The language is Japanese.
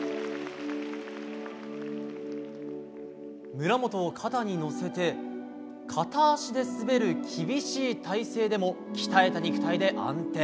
村元を肩に乗せて片足で滑る厳しい体勢でも鍛えた肉体で安定。